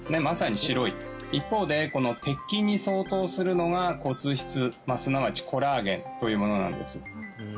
まさに白い一方でこの鉄筋に相当するのが骨質すなわちコラーゲンというものなんです